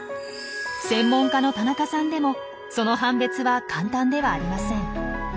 専門家の田中さんでもその判別は簡単ではありません。